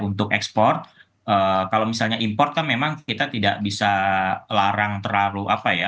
untuk ekspor kalau misalnya import kan memang kita tidak bisa larang terlalu apa ya